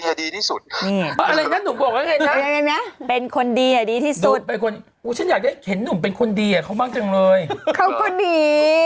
เขาบ้างจังเลยเขาคนดี